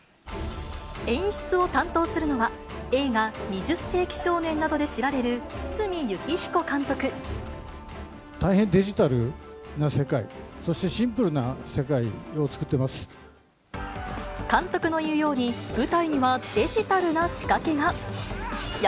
演出を担当するのは、映画、２０世紀少年などで知られる、大変デジタルな世界、そして監督の言うように、舞台にはデジタルな仕掛けが。